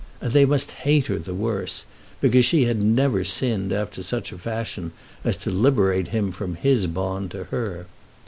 And they must hate her the worse, because she had never sinned after such a fashion as to liberate him from his bond to her.